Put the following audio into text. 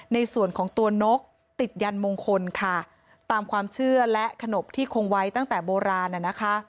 ในส่วนของตัวนกติดยันมงคลค่ะตามความเชื่อและขนบที่คงไว้ตั้งแต่โบราณน่ะนะคะ